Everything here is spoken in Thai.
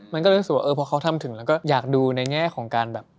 มันก็รู้สึกว่าเออพอเขาทำถึงแล้วก็อยากดูในแง่ของการแบบ